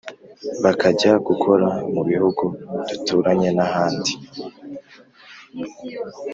bakajya gukora mu bihugu duturanye n'ahandi.